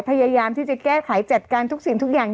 พยายามที่จะแก้ไขจัดการทุกสิ่งทุกอย่าง